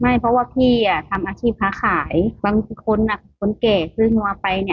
ไม่เพราะว่าพี่อ่ะทำอาชีพค้าขายบางทีคนอ่ะคนแก่ซื้อนัวไปเนี่ย